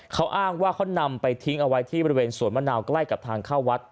เขาอ้างว่าเขานำไปทิ้งเอาไว้ที่บริเวณสวนมะนาวใกล้กับทางเข้าวัด